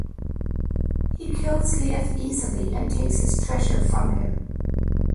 He kills Liath easily and takes his treasure from him.